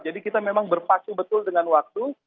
jadi kita memang berpaku betul dengan waktu